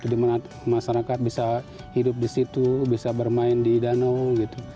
dimana masyarakat bisa hidup di situ bisa bermain di danau